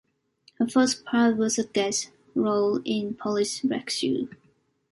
Her first part was a guest role in "Police Rescue".